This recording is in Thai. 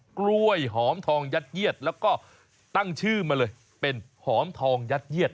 กล้วยหอมทองยัดเยียดแล้วก็ตั้งชื่อมาเลยเป็นหอมทองยัดเยียด